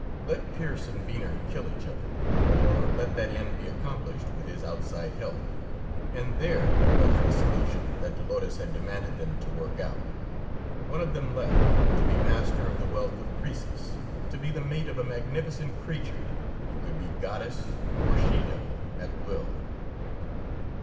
Let Pearse and Venner kill each other, or let that end be accomplished with his outside help, and there was the solution that Dolores had demanded them to work out; one of them left, to be master of the wealth of Croesus; to be the mate of a magnificent creature, who could be goddess or she devil at will.